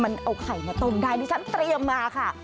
มันเอาไข่มาต้มได้ดิฉันเตรียมมาค่ะ